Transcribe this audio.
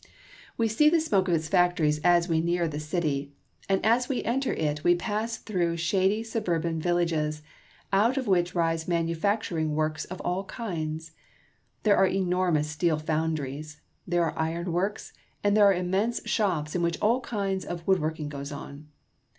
We see the smoke of its factories as we near the city, and as we enter it we pass through shady suburban vil lages, out of which rise manufacturing works of all kinds. There are enormous steel foundries, there are iron works, and there are immense shops in which all kinds of wood working^ goes on.